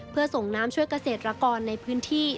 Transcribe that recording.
เพื่อส่งน้ำช่วยเกษตรกรในพื้นที่